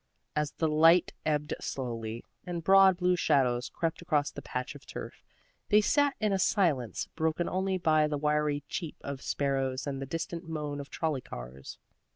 As the light ebbed slowly, and broad blue shadows crept across the patch of turf, they sat in a silence broken only by the wiry cheep of sparrows and the distant moan of trolley cars.